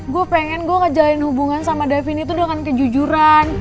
gue pengen gue ngejalin hubungan sama davin itu dengan kejujuran